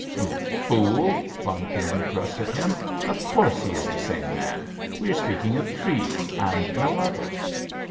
"You fool!" von Kuhne thrust at him; "of course he is the same man! We are speaking of Treves, and no other!"